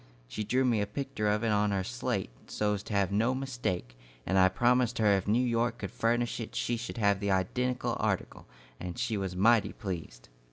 She drew me a picter of it on her slate, so 's to have no mistake, and I promised her if New York could furnish it she should have that identical article, and she was mighty pleased."